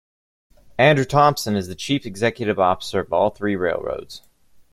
Andrew Thompson is the chief executive officer of all three railroads.